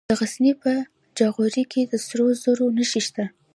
د غزني په جاغوري کې د سرو زرو نښې شته.